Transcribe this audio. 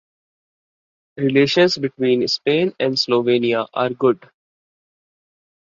Relations between Spain and Slovenia are good.